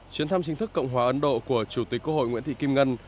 chuyến thăm chính thức cộng hòa ấn độ của chủ tịch quốc hội nguyễn thị kim ngân